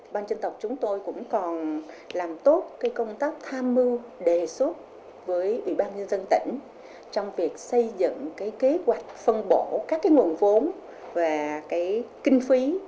ban dân tộc chúng tôi cũng còn làm tốt công tác tham mưu đề xuất với ủy ban nhân dân tỉnh trong việc xây dựng kế hoạch phân bổ các nguồn vốn và kinh phí